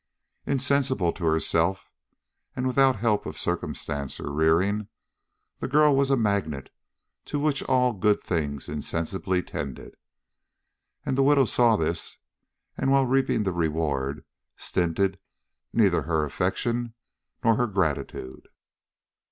Insensibly to herself, and without help of circumstances or rearing, the girl was a magnet toward which all good things insensibly tended; and the widow saw this, and, while reaping the reward, stinted neither her affection nor her gratitude.